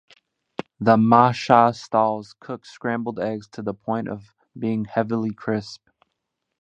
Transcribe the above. The mai shai stalls cook scrambled eggs to the point of being heavily crisp.